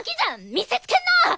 見せつけんな！